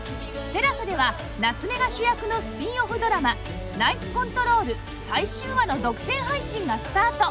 ＴＥＬＡＳＡ では夏目が主役のスピンオフドラマ『ＮＩＣＥＣＯＮＴＲＯＬ！』最終話の独占配信がスタート